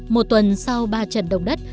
một tuần sau ba trận động đất